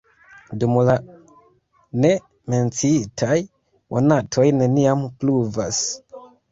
Dum la ne menciitaj monatoj neniam pluvas.